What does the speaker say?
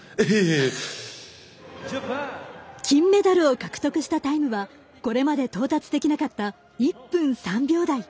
金メダルを獲得したタイムはこれまで到達できなかった１分３秒台。